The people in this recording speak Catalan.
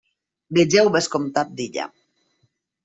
Vegeu Vescomtat d'Illa.